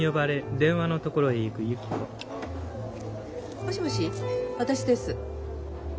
もしもし私です。